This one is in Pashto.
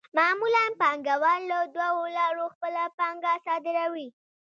معمولاً پانګوال له دوو لارو خپله پانګه صادروي